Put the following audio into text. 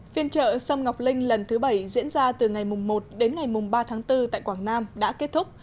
phiên trợ sâm ngọc linh lần thứ bảy diễn ra từ ngày một đến ngày ba tháng bốn tại quảng nam đã kết thúc